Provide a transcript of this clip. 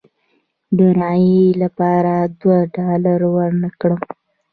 د رایې لپاره دوه ډالره ورنه کړم.